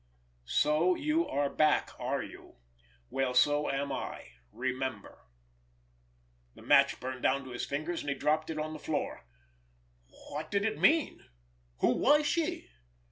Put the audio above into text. So you are back, are you? Well, so am I! Remember! The match burned down to his fingers, and he dropped it on the floor. What did it mean? Who was she?